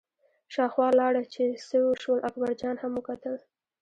شاوخوا لاړه چې څه وشول، اکبرجان هم وکتل.